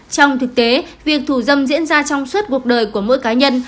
trong thực tế việc thủ dâm diễn ra trong suốt cuộc đời của mỗi cá nhân